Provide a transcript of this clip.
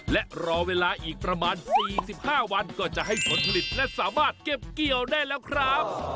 และรอเวลาอีกประมาณ๔๕วันก็จะให้ผลผลิตและสามารถเก็บเกี่ยวได้แล้วครับ